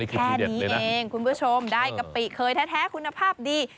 แค่นี้เองคุณผู้ชมได้กะปิเคยแท้คุณภาพดี